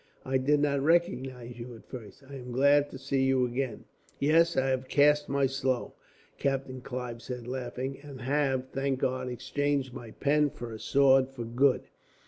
I did not recognize you, at first. I am glad to see you again." "Yes, I have cast my slough," Captain Clive said, laughing, "and have, thank God, exchanged my pen for a sword, for good."